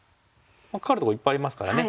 カカるところいっぱいありますからね。